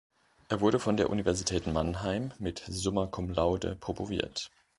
Er wurde von der Universität Mannheim mit "summa cum laude" promoviert.